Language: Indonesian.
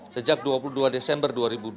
sejak dua puluh dua desember dua ribu dua puluh